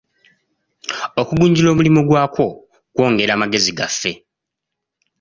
Okugunjula omulimo gwakwo kwongera magezi gaffe.